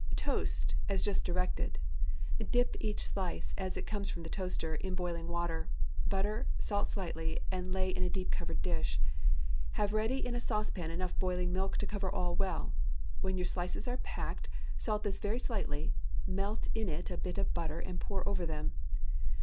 ✠ Toast as just directed; dip each slice, as it comes from the toaster, in boiling water; butter, salt slightly, and lay in a deep covered dish. Have ready in a saucepan enough boiling milk to cover all well. When your slices are packed, salt this very slightly; melt in it a bit of butter and pour over them.